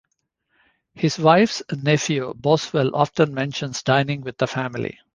His wife's nephew Boswell often mentions dining with the family.